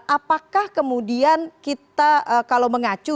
apakah kemudian kita kalau mengacu